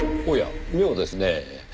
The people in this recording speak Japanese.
おや妙ですねぇ。